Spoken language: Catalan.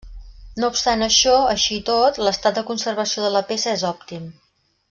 No obstant això, així i tot, l'estat de conservació de la peça és òptim.